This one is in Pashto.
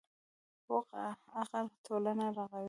پوخ عقل ټولنه رغوي